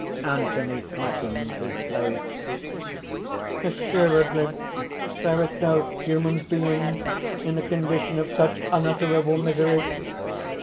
(Anthony slackens his pace.) "Assuredly there is no human being in a condition of such unutterable misery!